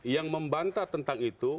yang membantah tentang itu